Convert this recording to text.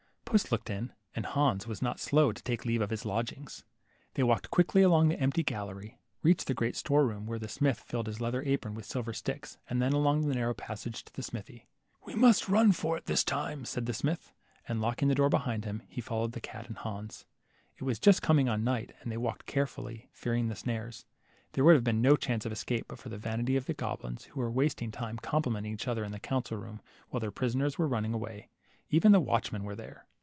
Puss looked in, and Hans was not slow to take leave of his lodgings. They walked quickly along the empty gallery, reached the great store room, where the smith filled his leather apron with silver sticks, and then along the narrow passage to the smithy. We must all run for it this time," said the smith, and locking the door behind him, he followed the cat and Hans. It was just coming on night, and they walked care fully, fearing the snares. There would have been no chance of escape but for the vanity of the goblins, who were wasting time complimenting each other in the council room while their prisoners were running away. Even the watchmen were there.